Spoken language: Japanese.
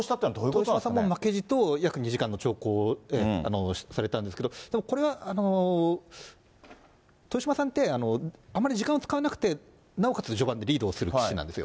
豊島さんも負けじと約２時間の長考をされたんですけど、これは豊島さんって、あんまり時間を使わなくて、なおかつ序盤でリードをされる棋士なんですよ。